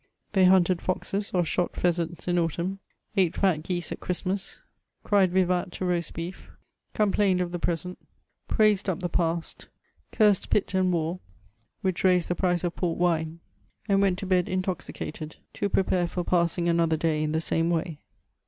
They hunted foxes, or shot pheasants in autumn, ate fat g^ese at Christmas, cried vivai to roast beef, compUdned of the pre sent) praised up the past, cursed Pitt and war, which raised the price of Port wine, and went to bed intoxicated, to prepare for passing another day in the same way.